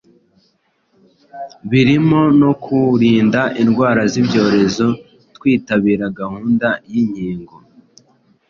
birimo no kuwurinda indwara z’ibyorezo twitabira gahunda y’inkingo.